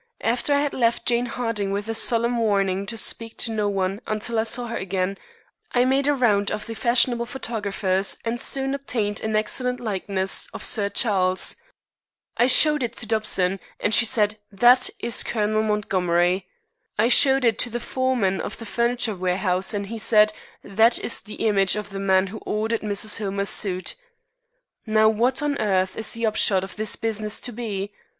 "After I had left Jane Harding with a solemn warning to speak to no one until I saw her again, I made a round of the fashionable photographers and soon obtained an excellent likeness of Sir Charles. I showed it to Dobson, and she said: 'That is Colonel Montgomery.' I showed it to the foreman of the furniture warehouse, and he said: 'That is the image of the man who ordered Mrs. Hillmer's suite.' Now, what on earth is the upshot of this business to be?